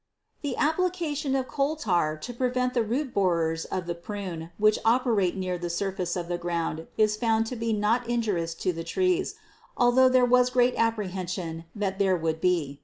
The application of coal tar to prevent the root borers of the prune which operate near the surface of the ground was found to be not injurious to the trees, although there was great apprehension that there would be.